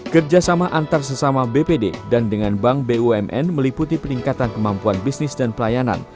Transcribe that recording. kerjasama antar sesama bpd dan dengan bank bumn meliputi peningkatan kemampuan bisnis dan pelayanan